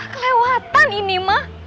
kelewatan ini mah